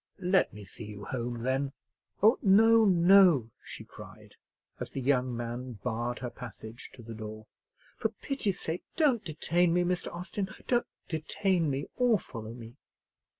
"Let me see you home, then?" "Oh! no! no!" she cried, as the young man barred her passage, to the door; "for pity's sake don't detain me, Mr. Austin; don't detain me, or follow me!"